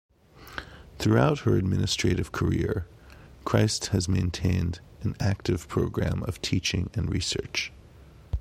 Throughout her administrative career, Christ has maintained an active program of teaching and research.